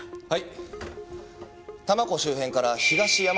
はい。